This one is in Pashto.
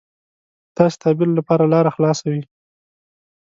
داسې تعبیر لپاره لاره خلاصه وي.